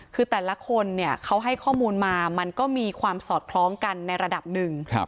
คือแต่ละคนเนี่ยเขาให้ข้อมูลมามันก็มีความสอดคล้องกันในระดับหนึ่ง